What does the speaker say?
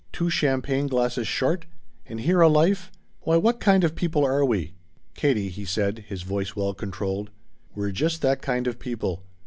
Two champagne glasses short! And here a life Why what kind of people are we?" "Katie," he said, his voice well controlled, "we're just that kind of people.